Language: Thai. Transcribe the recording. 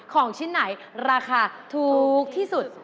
ของชิ้นไหนราคาถูกที่สุด